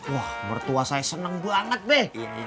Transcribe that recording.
wah mertua saya seneng banget be